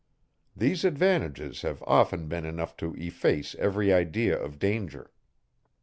These advantages have often been enough to efface every idea of danger.